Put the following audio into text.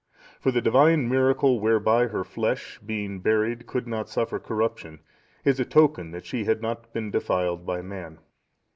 For the divine miracle whereby her flesh, being buried, could not suffer corruption, is a token that she had not been defiled by man.